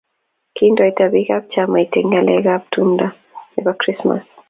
Kindoita biik ab chamait eng ngalek ab tumdo nebo krismas